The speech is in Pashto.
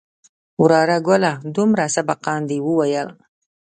وراره گله دومره سبقان دې وويل.